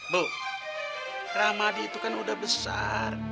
bu ramadi itu kan udah besar